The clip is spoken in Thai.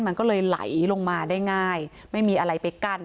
มันก็เลยไหลลงมาได้ง่ายไม่มีอะไรไปกั้น